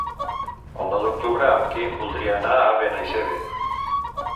El nou d'octubre en Quim voldria anar a Benaixeve.